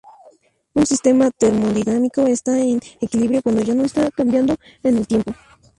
Un sistema termodinámico está en equilibrio cuando ya no está cambiando en el tiempo.